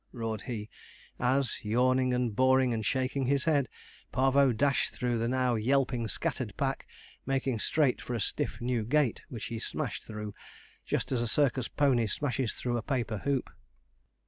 roared he, as, yawning and boring and shaking his head, Parvo dashed through the now yelping scattered pack, making straight for a stiff new gate, which he smashed through, just as a circus pony smashes through a paper hoop.